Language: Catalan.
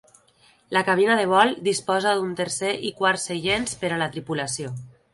La cabina de vol disposa d'un tercer i un quart seients per a la tripulació.